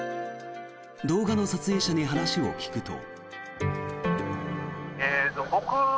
動画の撮影者に話を聞くと。